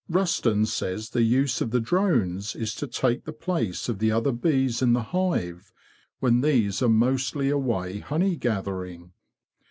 Rusden says the use of the drones is to take the place of the other bees in the hive when these are mostly away honey gathering.